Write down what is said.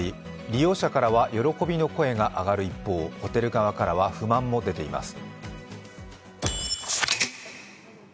利用者からは喜びの声が上がる一方ホテル側からは不満も出ています。